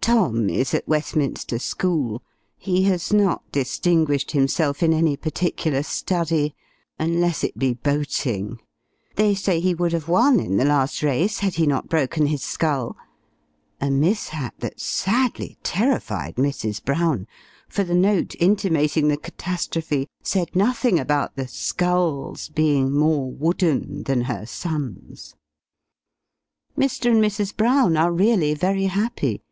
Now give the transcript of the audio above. Tom is at Westminster School; he has not distinguished himself in any particular study, unless it be boating: they say he would have won in the last race had he not broken his scull a mishap that sadly terrified Mrs. Brown; for the note, intimating the catastrophe, said nothing about the sculls being more wooden than her son's. Mr. and Mrs. Brown are really very happy!